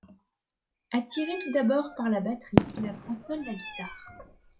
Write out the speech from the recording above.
Attiré tout d'abord par la batterie, il apprend seul la guitare.